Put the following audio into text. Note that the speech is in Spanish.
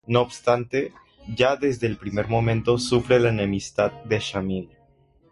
No obstante, ya desde el primer momento sufre la enemistad de Shamil.